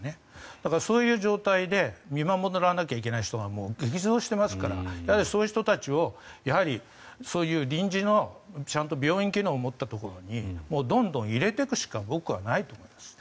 だからそういう状態で見守らなければいけない人が激増していますからやはりそういう人たちを臨時の病院機能を持ったところにどんどん入れていくしかないと僕は思います。